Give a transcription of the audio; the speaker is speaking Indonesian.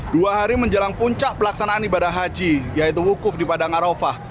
dua hari menjelang puncak pelaksanaan ibadah haji yaitu wukuf di padang arafah